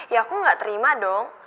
ya aku gak terima dong